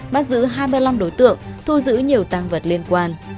bắt giữ hai mươi năm đối tượng thu giữ nhiều tăng vật liên quan